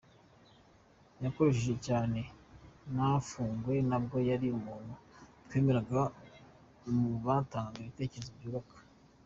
Yarakosheje cyane nafungwe nubwo yari umuntu twemeraga mu batangaga ibitekerezo byubaka.